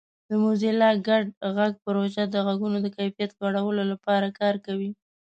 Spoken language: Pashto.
د موزیلا ګډ غږ پروژه د غږونو د کیفیت لوړولو لپاره کار کوي.